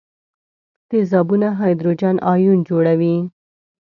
تیزابونه هایدروجن ایون جوړوي.